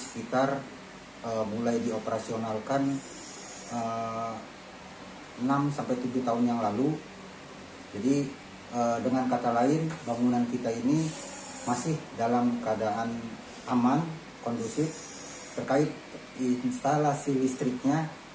pemeriksaan rutin dilakukan